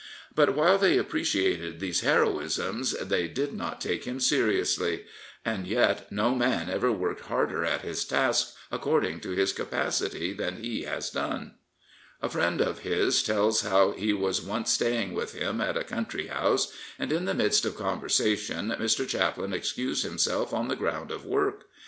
But while they appreciated these heroisms, they did not take him seriously. And yet no man ever worked harder at his task according to his capacity than he has done. A friend of his tells how he was once staying with him at a country house, and in the midst of conversation Mr. Chaplin excused him self on the ground of work.